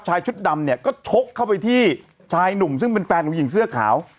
ชุดดำเนี่ยก็ชกเข้าไปที่ชายหนุ่มซึ่งเป็นแฟนของหญิงเสื้อขาว